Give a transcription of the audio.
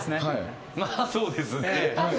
「まあそうですね」